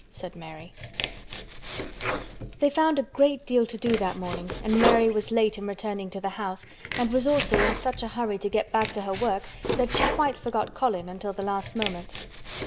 SAID MARY They found a great deal to do that morning and Mary was late in returning to the house and was also in such a hurry to get back to her work that she quite forgot Colin until the last moment.